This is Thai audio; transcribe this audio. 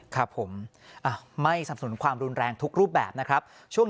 ครับผมไม่สนับสนุนความรุนแรงทุกรูปแบบนะครับ